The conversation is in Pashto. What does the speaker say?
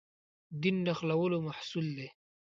دین نښلولو محصول دی.